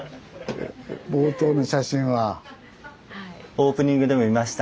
オープニングでも見ました